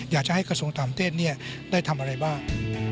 อยากจะให้กระทรวงต่างประเทศได้ทำอะไรบ้าง